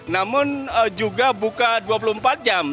namun juga buka dua puluh empat jam